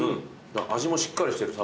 味もしっかりしてる。